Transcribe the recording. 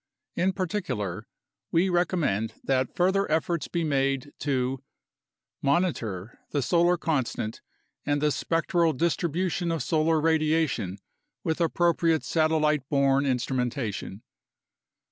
In particular, we recommend that further efforts be made to Monitor the solar constant and the spectral distribution of solar radiation with appropriate satelliteborne instrumentation.